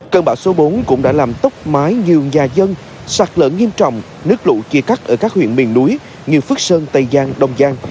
cơn bão số bốn cũng đã làm tốc mái nhiều nhà dân sạt lở nghiêm trọng nước lũ chia cắt ở các huyện miền núi như phước sơn tây giang đông giang